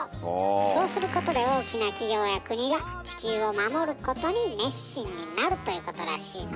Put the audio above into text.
そうすることで大きな企業や国が地球を守ることに熱心になるということらしいの。